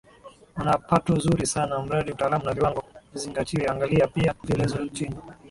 wana pato zuri sana mradi utaalaam na viwango vizingatiwe Angalia pia vielelezo chini